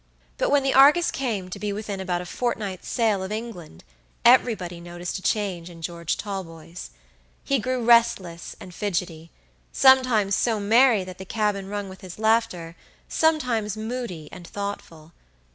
But when the Argus came to be within about a fortnight's sail of England everybody noticed a change in George Talboys. He grew restless and fidgety; sometimes so merry that the cabin rung with his laughter; sometimes moody and thoughtful.